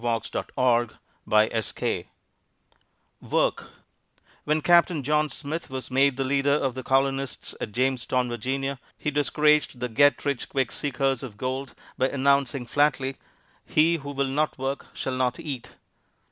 WORK "A SONG OF TRIUMPH" When Captain John Smith was made the leader of the colonists at Jamestown, Va., he discouraged the get rich quick seekers of gold by announcing flatly, "He who will not work shall not eat."